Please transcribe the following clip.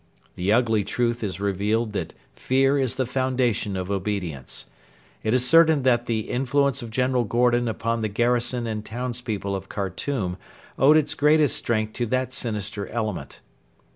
The ugly truth is revealed that fear is the foundation of obedience. It is certain that the influence of General Gordon upon the garrison and townspeople of Khartoum owed its greatest strength to that sinister element.